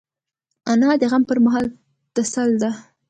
انا د غم پر مهال تسل ده